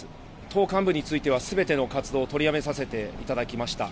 党幹部については、すべての活動を取りやめさせていただきました。